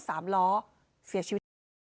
สวัสดีค่ะทุกคน